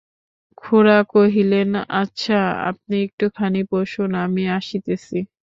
খুড়া কহিলেন, আচ্ছা, আপনি একটুখানি বসুন, আমি আসিতেছি।